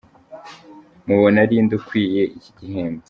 com mubona ari nde ukwiye iki gihembo?.